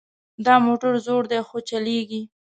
دا موټر زوړ ده خو چلیږي